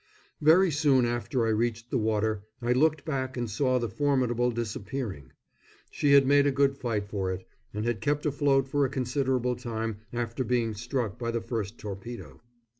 Very soon after I reached the water I looked back and saw the Formidable disappearing. She had made a good fight for it, and had kept afloat for a considerable time after being struck by the first torpedo.